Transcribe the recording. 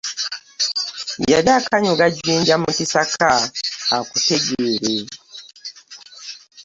Yali akasuka jinja mukisaka akutegeere .